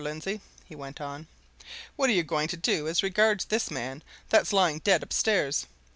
Lindsey," he went on, "what are you going to do as regards this man that's lying dead upstairs?